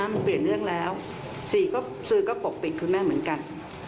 มันเปลี่ยนเรื่องแล้วสื่อก็ปกปิดคุณแม่เหมือนกัน